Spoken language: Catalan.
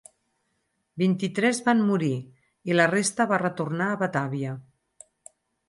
Vint-i-tres van morir i la resta va retornar a Batàvia.